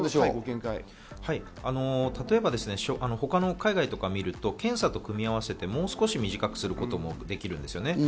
例えばですね、他の海外とかを見ると、検査と組み合わせてもう少し短くすることもできるんですね。